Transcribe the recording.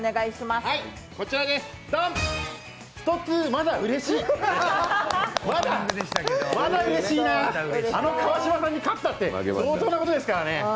まだうれしいなあ、あの川島さんに勝ったって相当なことですからね。